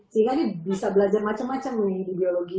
sehingga nih bisa belajar macam macam nih di biologi